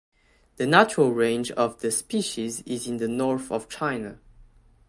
The natural range of the species is in the north of China.